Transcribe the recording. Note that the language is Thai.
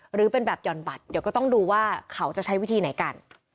หรือเป็นแบบหย่อนบัตรเดี๋ยวก็ต้องดูว่าเขาจะใช้วิธีไหนกัน